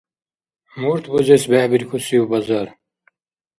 Мурт бузес бехӀбихьурсив базар?